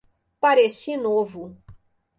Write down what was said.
Pareci Novo